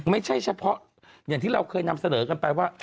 ไม่ใช่เฉพาะอย่างที่เราเคยนำเสนอกันไปว่า